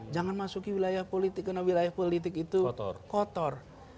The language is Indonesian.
jangan masuki wilayah politik karena wilayah politik itu kotor